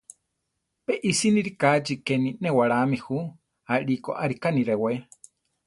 Pe isíni rikáchi keni newalámi ju; alíko arika ni rewé.